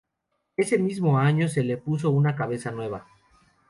Ese mismo año se le puso una cabeza nueva.